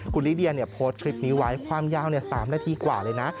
คุณลิเดียโพสต์คลิปนี้ไว้ความยาว๓นาทีกว่าเลยนะ